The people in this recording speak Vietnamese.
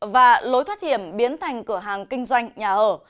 và lối thoát hiểm biến thành cửa hàng kinh doanh nhà ở